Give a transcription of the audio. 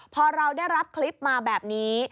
พอเราได้รับคลิปมาแบบนี้